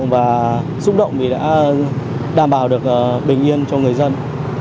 và xúc động vì đã đảm bảo được bình yên cho người dân